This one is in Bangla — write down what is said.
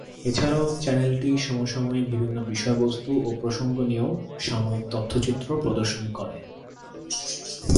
এছাড়াও চ্যানেলটি সমসাময়িক বিভিন্ন বিষয়বস্তু ও প্রসঙ্গ নিয়েও সাময়িক তথ্যচিত্র প্রদর্শন করে।